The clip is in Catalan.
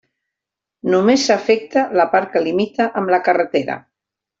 Només s'afecta la part que limita amb la carretera.